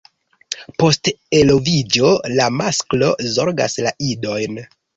Post eloviĝo la masklo zorgas la idojn.